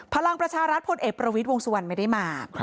พลังประชารัฐพลเอกประวิทย์วงสุวรรณไม่ได้มา